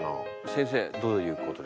先生どういうことですか？